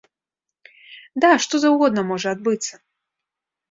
Да, што заўгодна можа адбыцца!